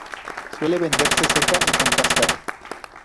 Suele venderse seca y con cáscara.